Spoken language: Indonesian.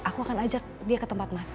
aku akan ajak dia ke tempat mas